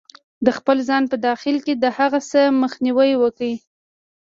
-د خپل ځان په داخل کې د هغه څه مخنیوی وکړئ